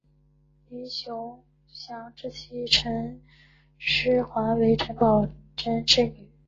林熊祥之妻陈师桓为陈宝琛之女。